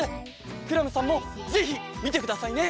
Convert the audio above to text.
クラムさんもぜひみてくださいね！